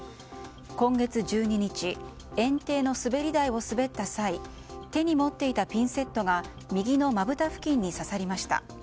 今月１２日園庭の滑り台を滑った際手に持っていたピンセットが右のまぶた付近に刺さりました。